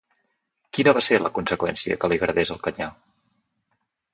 Quina va ser la conseqüència que li agradés el canyar?